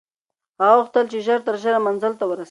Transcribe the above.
هغه غوښتل چې ژر تر ژره منزل ته ورسېږي.